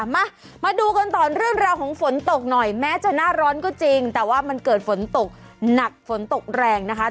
มามาดูกันต่อเรื่องราวของฝนตกหน่อยแม้จะหน้าร้อนก็จริงแต่ว่ามันเกิดฝนตกหนักฝนตกแรงนะคะ